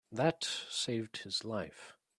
That saved his life.